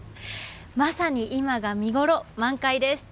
まさに今が見ごろ、満開です。